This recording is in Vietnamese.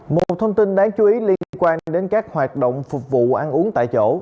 một thông tin đáng chú ý liên quan đến các hoạt động phục vụ ăn uống tại chỗ